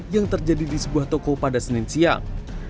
yang terjadi di sebuah toko pada senin siang